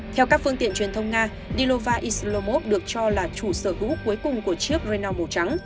theo các phương tiện truyền thông nga dilovar islomov được cho là chủ sở hữu cuối cùng của chiếc renault màu trắng